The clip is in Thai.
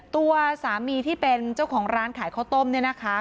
ตัวสามีที่เป็นเจ้าของร้านขายข้าวต้มเนี่ยนะคะ